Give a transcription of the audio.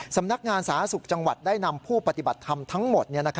สำนักงานสาธารณสุขจังหวัดได้นำผู้ปฏิบัติธรรมทั้งหมด